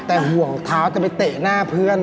แต่ห่วงเท้าจะไปเตะหน้าเพื่อน